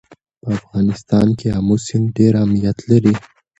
په افغانستان کې آمو سیند ډېر اهمیت لري.